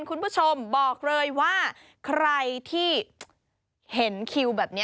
คุณผู้ชมบอกเลยว่าใครที่เห็นคิวแบบนี้